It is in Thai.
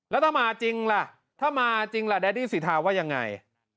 แล้วถ้ามาจริงล่ะถ้ามาจริงล่ะแดดดี้สิทาว่ายังไง